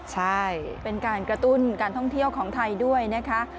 ใช่เป็นการกระตุ้นการท่องเที่ยวของไทยด้วยนะคะ